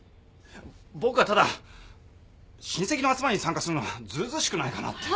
僕はただ親戚の集まりに参加するのはずうずうしくないかなって。